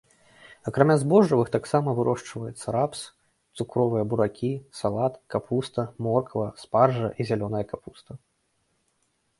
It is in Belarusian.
Акрамя збожжавых таксама вырошчваецца рапс, цукровыя буракі, салат, капуста, морква, спаржа і зялёная капуста.